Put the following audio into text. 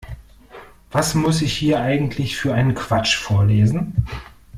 Was muss ich hier eigentlich für einen Quatsch vorlesen?